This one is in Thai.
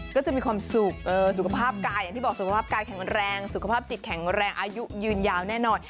ก็จะมีความสุขสุขภาพกายอย่างที่บอกสุขภาพกายแข็งแรงสุขภาพจิตแข็งแรงอายุยืนยาวแน่นอน